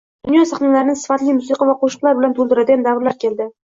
Dunyo sahnalarini sifatli musiqa va qo‘shiqlar bilan to‘ldiradigan davrlar keldi